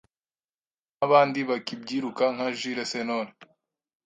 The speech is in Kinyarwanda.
n’abandi bakibyiruka nka Jules Sentore